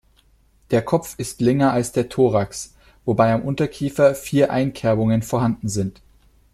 Der Kopf ist länger als der Thorax, wobei am Unterkiefer vier Einkerbungen vorhanden sind.